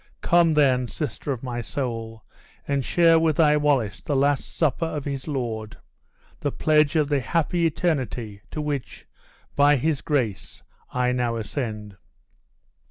Come, then, sister of my soul, and share with thy Wallace the last supper of his Lord; the pledge of the happy eternity to which, by His grace, I now ascend!"